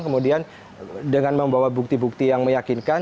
kemudian dengan membawa bukti bukti yang meyakinkan